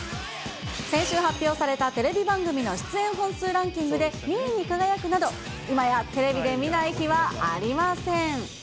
先週発表されたテレビ番組の出演本数ランキングで２位に輝くなど、今やテレビで見ない日はありません。